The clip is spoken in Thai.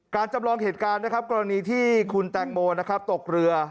การจำลองเหตุการณ์นะครับกรณีที่คุณแต่งโมตกเรือ